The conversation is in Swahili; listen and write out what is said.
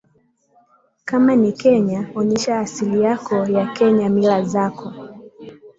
kama ni kenya onyesha asili yako ya kenya mila zako